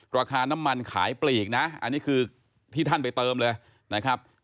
ราคาน้ำมันขายปลีกนะอันนี้คือที่ท่านไปเติมเลยนะครับ